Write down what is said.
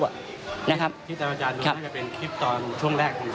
ที่ท่านพระอาจารย์รู้นั่นก็เป็นคลิปตอนช่วงแรก